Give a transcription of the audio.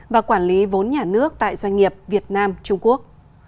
và quản lý vốn nhà nước tại doanh nghiệp việt nam trung quốc